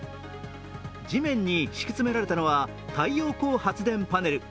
地面に敷き詰められたのは太陽光パネル。